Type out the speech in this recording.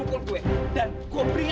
aku mau ke tempat yang lebih baik